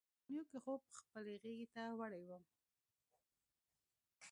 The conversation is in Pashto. په ثانیو کې خوب خپلې غېږې ته وړی وم.